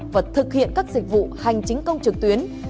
và thực hiện các dịch vụ hành chính công trực tuyến